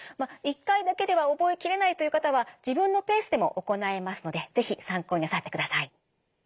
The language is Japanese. １回だけでは覚えきれないという方は自分のペースでも行えますので是非参考になさってください。